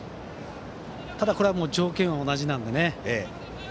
ただ、これはもう条件は同じなのでね。